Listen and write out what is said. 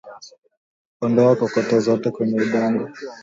Ondoa kokoto zote kwenye udongo